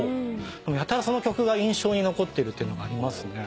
やたらその曲が印象に残ってるっていうのがありますね。